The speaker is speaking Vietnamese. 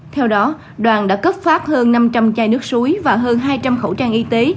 theo đó đoàn đã cấp phát hơn năm trăm linh chai nước suối và hơn hai trăm linh khẩu trang y tế